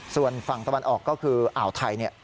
ส่วนฝั่งตะวันออกก็คืออ่าวไทย